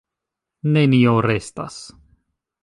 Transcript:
Nenio restas.